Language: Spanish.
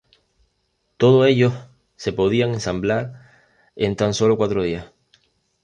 Todo ellos se podían ensamblar en tan sólo cuatro días.